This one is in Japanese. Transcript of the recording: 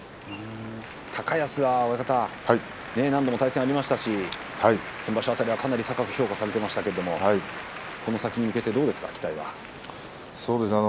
高安は何度も対戦がありましたし先場所辺りはかなり高く評価されていましたけれどこの先に向けて期待はどうですか。